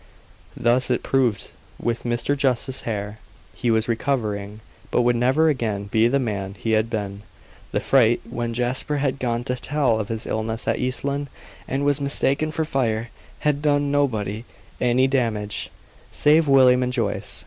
Thus it proved with Mr. Justice Hare. He was recovering, but would never again be the man he had been. The fright, when Jasper had gone to tell of his illness at East Lynne, and was mistaken for fire, had done nobody any damage, save William and Joyce.